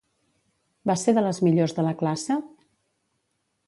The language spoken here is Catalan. Va ser de les millors de la classe?